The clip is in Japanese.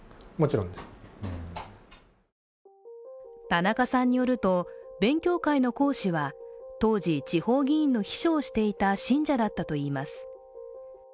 田中さんによると、勉強会の講師は当時、地方議員の秘書をしていた信者だったといいます。